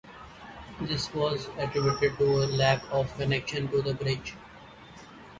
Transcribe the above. This was attributed to a lack of connections to the bridge.